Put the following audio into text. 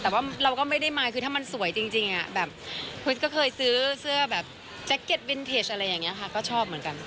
แต่ว่าเราก็ไม่ได้มาคือถ้ามันสวยจริงแบบคริสก็เคยซื้อเสื้อแบบแจ็คเก็ตวินเทจอะไรอย่างนี้ค่ะก็ชอบเหมือนกัน